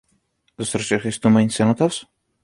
The structure has two main cenotaphs.